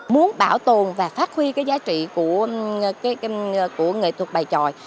muốn bảo tồn và phát huy cái giá trị của nghệ thuật bài tròi